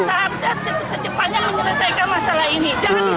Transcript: saya secepatnya menyelesaikan masalah ini